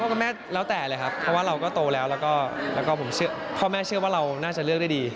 คุณแม่แล้วแต่เลยครับเพราะว่าเราก็โตแล้วแล้วก็ผมพ่อแม่เชื่อว่าเราน่าจะเลือกได้ดี